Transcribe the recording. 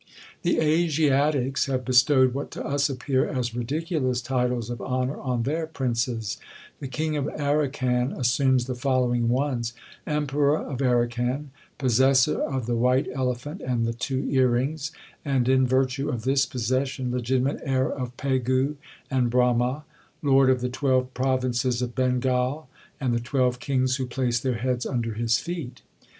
The Asiatics have bestowed what to us appear as ridiculous titles of honour on their princes. The king of Arracan assumes the following ones: "Emperor of Arracan, possessor of the white elephant, and the two ear rings, and in virtue of this possession legitimate heir of Pegu and Brama; lord of the twelve provinces of Bengal, and the twelve kings who place their heads under his feet."